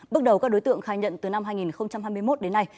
bước đầu các đối tượng khai nhận từ năm hai nghìn hai mươi một đến nay